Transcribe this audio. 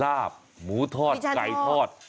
ลาบหมูทอดไก่ทอด